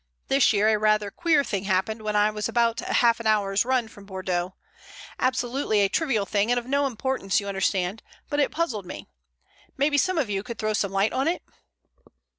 This year a rather queer thing happened when I was about half an hour's run from Bordeaux; absolutely a trivial thing and of no importance, you understand, but it puzzled me. Maybe some of you could throw some light on it?"